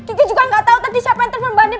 aku juga gak tau tadi siapa yang telepon mbak andin